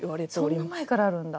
そんな前からあるんだ。